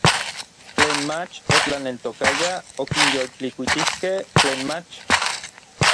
Tlen mach otlaneltokayaj okinyoltlikuitijkej tlen mach.